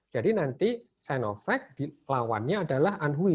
jadi nanti sinovac lawannya adalah anhui